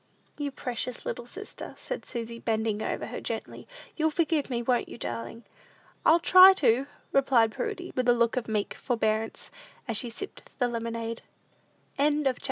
"You precious little sister," said Susy, bending over her gently, "you'll forgive me; won't you, darling?" "I'll try to," replied Prudy, with a look of meek forbearance, as she sipped the lemonade. CHAPTER VII.